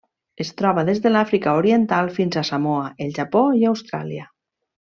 Es troba des de l'Àfrica Oriental fins a Samoa, el Japó i Austràlia.